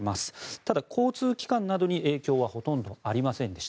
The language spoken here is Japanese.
ただ、交通機関などに影響はほとんどありませんでした。